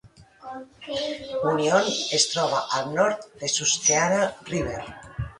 Union es troba al nord de Susquehanna River.